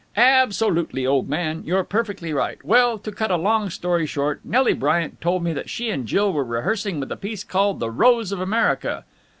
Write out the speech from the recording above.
"Absolutely, old man. You're perfectly right. Well, to cut a long story short, Nelly Bryant told me that she and Jill were rehearsing with a piece called 'The Rose of America.'"